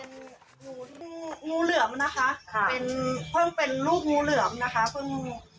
นี่เป็นลูกงูเหลือมนะคะเพิ่งเป็นลูกงูเหลือมนะคะ